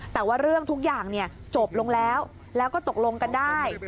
แต่ว่าเรื่องทุกอย่างจบลงแล้วแล้วก็ตกลงกันได้